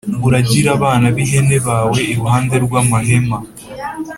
Uragire abana b ihene bawe iruhande rw amahema